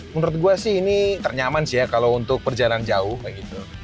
menurut gue sih ini ternyaman sih ya kalau untuk perjalanan jauh gitu